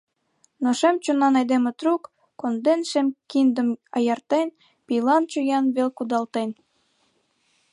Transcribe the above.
Но шем чонан айдеме трук, Конден шем киндым аяртен, Пийлан чоян вел кудалтен.